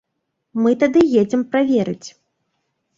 Мы тады едзем праверыць.